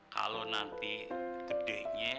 kalau nanti kedeknya